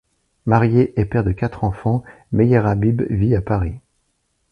Marié et père de quatre enfants, Meyer Habib vit à Paris.